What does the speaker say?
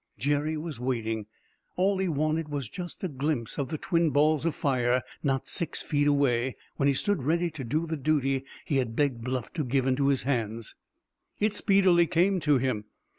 Jerry was waiting. All he wanted was just a glimpse of the twin balls of fire not six feet away, when he stood ready to do the duty he had begged Bluff to give into his hands. It speedily came to him.